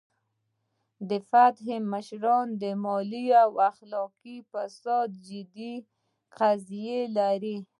د فتح مشران د مالي او اخلاقي فساد جدي قضیې لري.